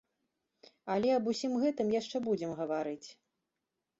Але аб усім гэтым яшчэ будзем гаварыць.